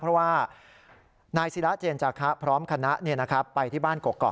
เพราะว่านายศิราเจนจาคะพร้อมคณะไปที่บ้านกกอก